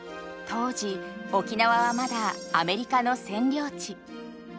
当時沖縄はまだアメリカの占領地。